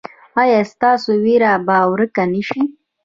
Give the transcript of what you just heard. ایا ستاسو ویره به ورکه نه شي؟